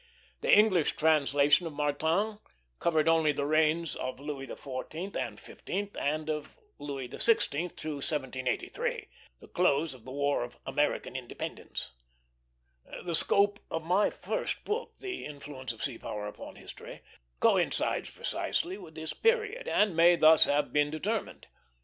The English translation of Martin covered only the reigns of Louis XIV. and XV., and of Louis XVI. to 1783, the close of the War of American Independence. The scope of my first book, The Influence of Sea Power upon History, coincides precisely with this period, and may thus have been determined.